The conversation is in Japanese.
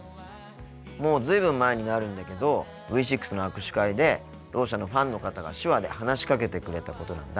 もう随分前になるんだけどＶ６の握手会でろう者のファンの方が手話で話しかけてくれたことなんだ。